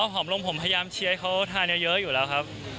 หอมลงผมพยายามเชียร์ให้เขาทานเยอะอยู่แล้วครับ